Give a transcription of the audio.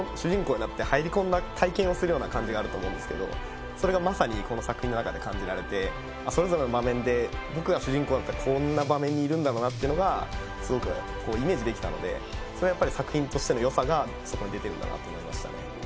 何かと思うんですけどそれがまさにこの作品の中で感じられてそれぞれの場面で僕が主人公だったらこんな場面にいるんだろうなっていうのがすごくイメージできたのでそれはやっぱり作品としてのよさがそこに出てるんだなと思いましたね